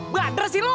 badar sih lu